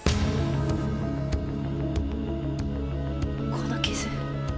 この傷。